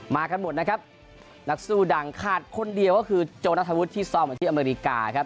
มากันหมดนะครับนักสู้ดังขาดคนเดียวก็คือโจนัทธวุฒิที่ซ่อมอยู่ที่อเมริกาครับ